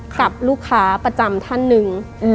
กับลูกค้าประจำท่านหนึ่ง